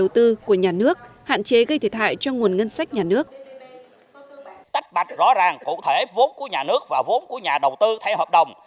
tách bạch rõ ràng cụ thể vốn của nhà nước và vốn của nhà đầu tư theo hợp đồng